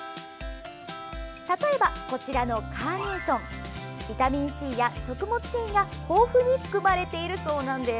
例えば、こちらのカーネーションビタミンＣや食物繊維が豊富に含まれているそうです。